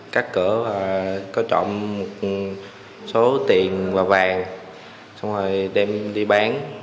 cắt cửa và có trộm số tiền và vàng xong rồi đem đi bán